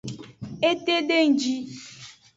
Etedengji.